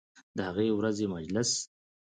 د هغې ورځې مجلس